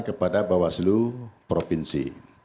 kepada bawah seluruh provinsi